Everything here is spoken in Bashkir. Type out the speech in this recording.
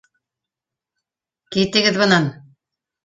Китегеҙ бынан.